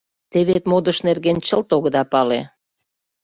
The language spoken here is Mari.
Те вет модыш нерген чылт огыда пале.